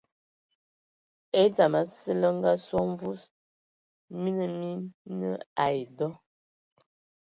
E dzam asǝ lə ngasō a mvus, mina mii nə ai dɔ.